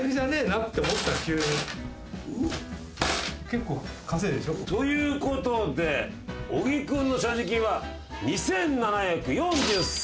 結構稼いでるでしょ。ということで小木君の所持金は。